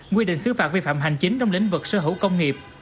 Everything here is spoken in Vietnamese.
quy định xứ phạt vi phạm hành chính trong lĩnh vực sở hữu công nghiệp